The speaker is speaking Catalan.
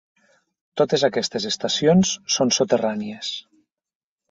Totes aquestes estacions són soterrànies.